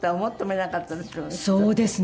そうですね。